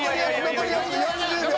残り４０秒。